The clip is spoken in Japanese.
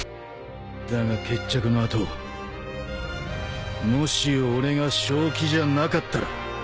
だが決着の後もし俺が正気じゃなかったら。